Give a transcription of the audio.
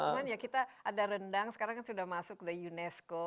cuman ya kita ada rendang sekarang kan sudah masuk ke unesco